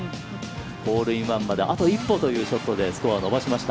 ホールインワンまであと一歩というショットでスコアを伸ばしました。